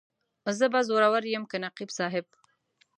زه به زورور یم که نقیب صاحب.